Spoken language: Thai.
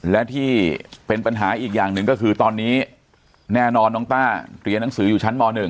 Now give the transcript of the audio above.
และที่เป็นปัญหาอีกอย่างหนึ่งก็คือตอนนี้แน่นอนน้องต้าเรียนหนังสืออยู่ชั้นม๑